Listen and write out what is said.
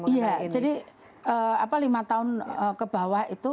iya jadi lima tahun ke bawah itu